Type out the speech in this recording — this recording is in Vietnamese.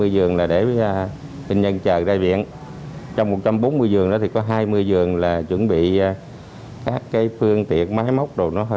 hai mươi giường để bệnh nhân chờ ra viện trong một trăm bốn mươi giường có hai mươi giường chuẩn bị phương tiện máy mốc